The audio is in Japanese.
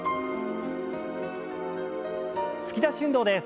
突き出し運動です。